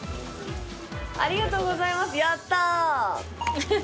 ありがとうございますやった！